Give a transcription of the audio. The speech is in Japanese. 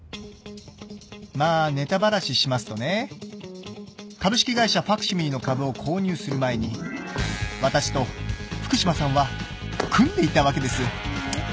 まあネタバラシしますとね株式会社ファクシミリの株を購入する前に私と福島さんは組んでいたわけです。